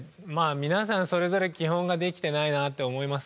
皆さんそれぞれ基本ができてないなって思いますけど。